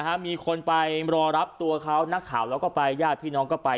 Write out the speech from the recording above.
มีคนไปรอรับตัวเขานักข่าวแล้วก็ไปญาติพี่น้องก็ไป